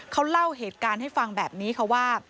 เขาเล่าเหตุการณ์ให้ฟังแบบนี้ค่ะว่า